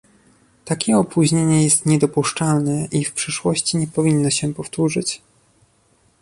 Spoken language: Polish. Takie opóźnienie jest niedopuszczalne i w przyszłości nie powinno się powtórzyć